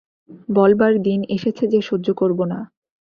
বলবার দিন এসেছে যে সহ্য করব না।